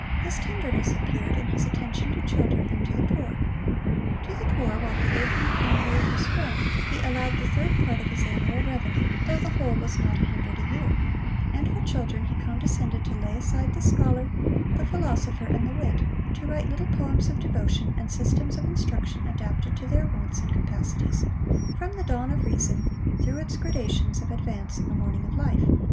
His tenderness appeared in his attention to children, and to the poor. To the poor, while he lived in the family of his friend, he allowed the third part of his annual revenue, though the whole was not a hundred a year; and for children, he condescended to lay aside the scholar, the philosopher, and the wit, to write little poems of devotion, and systems of instruction adapted to their wants and capacities, from the dawn of reason through its gradations of advance in the morning of life.